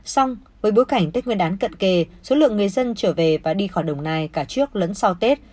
xong với bối cảnh tết nguyên đán cận kề số lượng người dân trở về và đi khỏi đồng nai cả trước lẫn sau tết